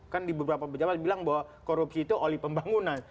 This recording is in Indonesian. kan di beberapa pejabat bilang bahwa korupsi itu oli pembangunan